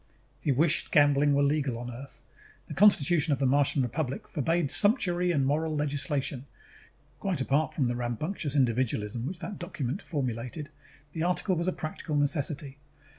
_ He wished gambling were legal on Earth. The Constitution of the Martian Republic forbade sumptuary and moral legislation; quite apart from the rambunctious individualism which that document formulated, the article was a practical necessity.